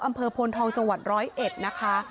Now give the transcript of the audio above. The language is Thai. อำเภอโพลทองจังหวัด๑๐๑นะคะ